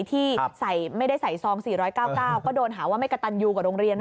ที่ไม่ได้ใส่ซอง๔๙๙ก็โดนหาว่าไม่กระตันยูกับโรงเรียน